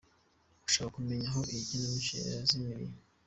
Mu gushaka kumenya aho iyi kinamico yazimiriye.